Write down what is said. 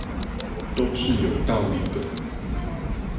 都是有道理的